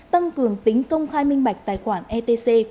tăng cường tính công khai minh bạch tài khoản etc